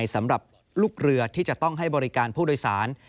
สำหรับลูกเรือที่จะต้องให้บริการผู้โดยสาร